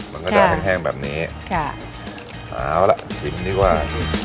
มันก็จะแห้งแห้งแบบนี้ค่ะเอาล่ะชิมดีกว่า